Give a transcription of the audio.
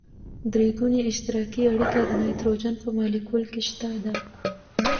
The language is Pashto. درې ګوني اشتراکي اړیکه د نایتروجن په مالیکول کې شته ده.